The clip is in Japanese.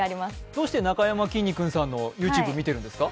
どうしてなかやまきんに君さんのＹｏｕＴｕｂｅ見てるんですか？